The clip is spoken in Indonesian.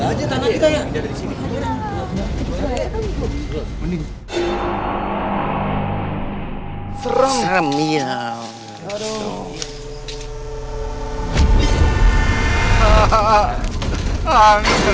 kita ngalah aja tanah kita ya